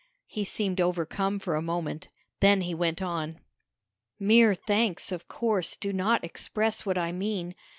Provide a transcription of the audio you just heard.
He seemed overcome for a moment. Then he went on. "Mere thanks, of course, do not express what I mean.